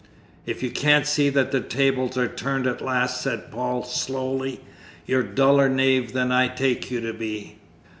"If you can't see that the tables are turned at last," said Paul slowly, "you're a duller knave than I take you to be."